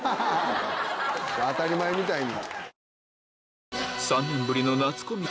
当たり前みたいに。